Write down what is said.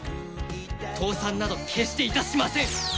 倒産など決していたしません。